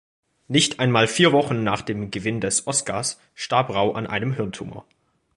Nicht einmal vier Wochen nach dem Gewinn des Oscars starb Rau an einem Hirntumor.